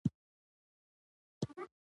نن ډيره ستړې ورځ وه خو په خير تيره شوه.